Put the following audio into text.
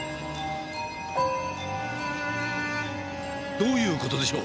どういうことでしょう？